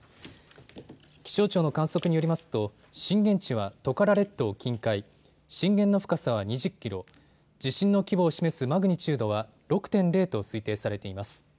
気象庁の観測によりますと震源地はトカラ列島近海、震源の深さは２０キロ、地震の規模を示すマグニチュードは６．０と推定されています。